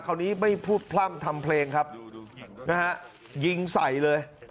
คราวนี้ไม่พูดพร่ำทำเพลงครับนะฮะยิงใส่เลย